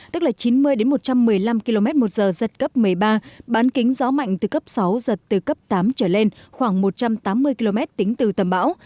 tức là chín mươi một trăm một mươi năm km một giờ giật cấp một mươi ba bán kính gió mạnh từ cấp sáu giật từ cấp tám trở lên khoảng một trăm tám mươi km tính từ tầm bão